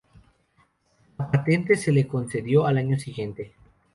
La patente se le concedió al año siguiente.